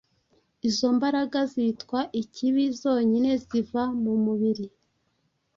Izo mbaraga, zitwa Ikibi, zonyine ziva mu mubiri